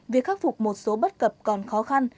việc khắc phục một số bất cập còn khó khăn